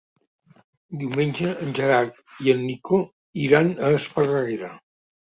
Diumenge en Gerard i en Nico iran a Esparreguera.